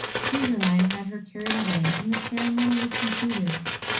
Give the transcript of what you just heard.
Tigreline had her carried away, and the ceremony was concluded.